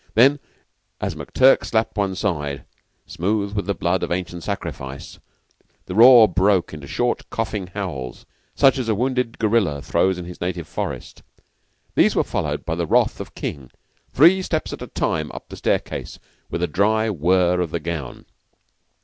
Then, as McTurk slapped one side, smooth with the blood of ancient sacrifice, the roar broke into short coughing howls such as the wounded gorilla throws in his native forest. These were followed by the wrath of King three steps at a time, up the staircase, with a dry whir of the gown.